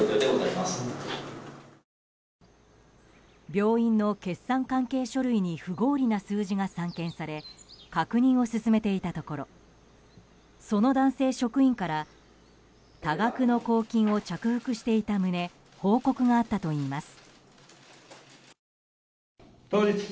病院の決算関係書類に不合理な数字が散見され確認を進めていたところその男性職員から多額の公金を着服していた旨報告があったといいます。